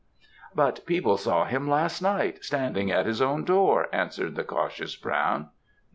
"'But people saw him last night, standing at his own door,' answered the cautious Brown.